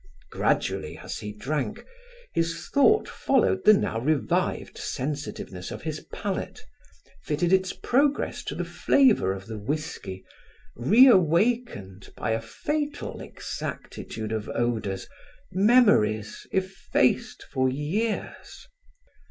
Gradually, as he drank, his thought followed the now revived sensitiveness of his palate, fitted its progress to the flavor of the whiskey, re awakened, by a fatal exactitude of odors, memories effaced for years.